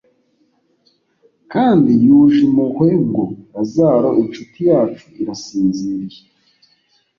kandi yuje impuhwe ngo: "Lazaro incuti yacu irasinziriye."